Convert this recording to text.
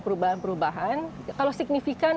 perubahan perubahan kalau signifikan